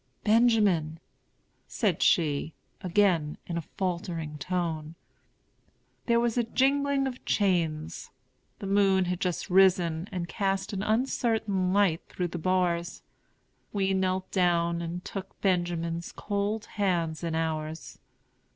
"Benjamin!" said she, again, in a faltering tone. There was a jingling of chains. The moon had just risen, and cast an uncertain light through the bars. We knelt down and took Benjamin's cold hands in ours.